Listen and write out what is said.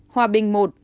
hòa bình một